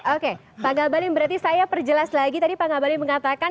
oke pak ngabalin berarti saya perjelas lagi tadi pak ngabalin mengatakan